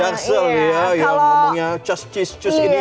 anak anak jaksel yang ngomongnya just cheese cheese ini english